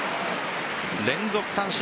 連続三振。